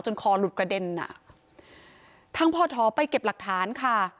คอหลุดกระเด็นอ่ะทางพ่อท้อไปเก็บหลักฐานค่ะ